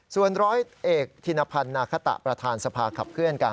ส่วนร้อยเอกธินพันธ์นาคตะประธานสภาขับเคลื่อนการ